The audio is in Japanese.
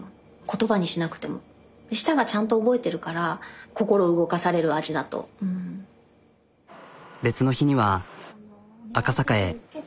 言葉にしなくても舌がちゃんと覚えてるから別の日には赤坂へ。